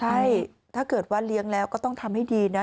ใช่ถ้าเกิดว่าเลี้ยงแล้วก็ต้องทำให้ดีนะ